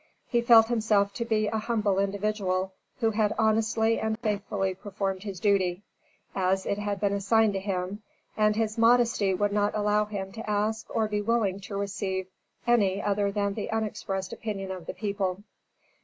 He felt himself to be a humble individual, who had honestly and faithfully performed his duty, as it had been assigned to him, and his modesty would not allow him to ask or be willing to receive any other than the unexpressed opinion of the people.